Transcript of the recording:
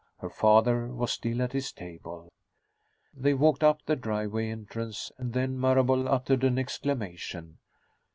Her father was still at his table. They walked up the driveway entrance, and then Marable uttered an exclamation.